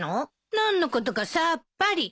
何のことかさっぱり。